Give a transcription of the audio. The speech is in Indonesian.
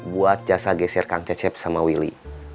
buat jasa geser kang cecep sama willy